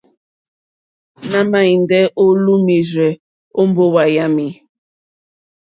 Nà ma ɛndɛ o lùumirzɛ̀ o mbowa yami.